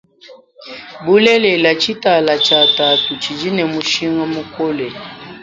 Bulelela tshitala tshia tatu tshidine mushinga mukole.